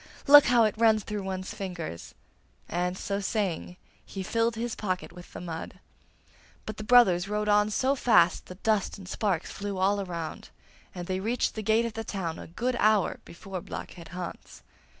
Look how it runs through one's fingers!' and, so saying, he filled his pocket with the mud. But the brothers rode on so fast that dust and sparks flew all around, and they reached the gate of the town a good hour before Blockhead Hans.